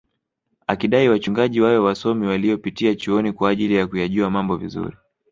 Akadai wachungaji wawe wasomi waliopitia chuoni kwa ajili ya kuyajua mabo vizuri